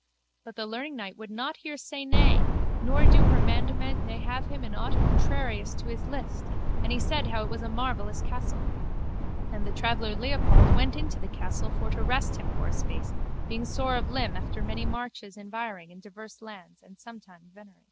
But the learningknight would not hear say nay nor do her mandement ne have him in aught contrarious to his list and he said how it was a marvellous castle. And the traveller Leopold went into the castle for to rest him for a space being sore of limb after many marches environing in divers lands and sometime venery.